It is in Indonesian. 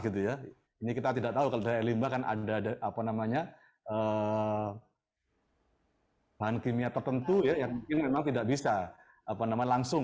ini kita tidak tahu kalau dari limba kan ada bahan kimia tertentu yang memang tidak bisa langsung